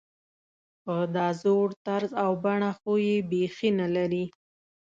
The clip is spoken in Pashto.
په دا زوړ طرز او بڼه خو یې بېخي نلري.